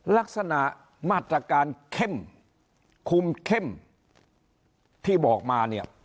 ลักษณะมาตรการเข้มคุมเข้มที่บอกมาเนี่ย